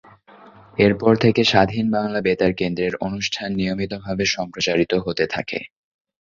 এরপর থেকে স্বাধীন বাংলা বেতার কেন্দ্রের অনুষ্ঠান নিয়মিতভাবে সম্প্রচারিত হতে থাকে।